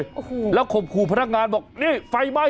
โอ้โฮแล้วขบครูพนักงานบอกนี่ไฟไหม้แล้วเห็นไหม